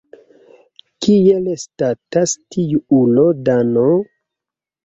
Kiel statas tiu ulo Dano?